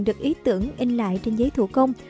được ý tưởng in lại trên giấy thủ công